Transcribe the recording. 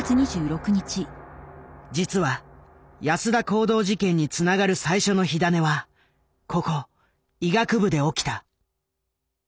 実は安田講堂事件につながる最初の火種はここ医学部で起きた。